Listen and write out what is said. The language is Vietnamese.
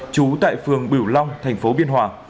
trú tại phường bỉu long thành phố biên hòa